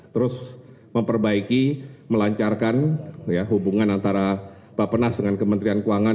terus memperbaiki melancarkan hubungan antara bapak penas dengan kementerian keuangan